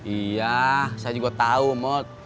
iya saya juga tau mod